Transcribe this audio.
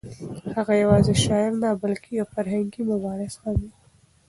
هغه یوازې شاعر نه بلکې یو فرهنګي مبارز هم و.